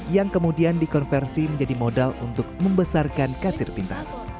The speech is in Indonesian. yang kemudian dikonversi menjadi modal untuk membesarkan kasir pintar